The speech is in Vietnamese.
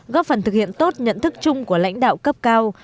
góp phần thực hiện tốt nhận thức chung của lãnh đạo cấp cao